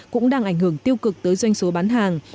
cũng đang ảnh hưởng tiêu cực tới doanh số bán hàng